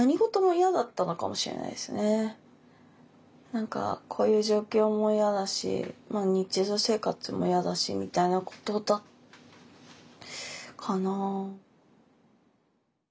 何かこういう状況も嫌だし日常生活も嫌だしみたいなことだったかな。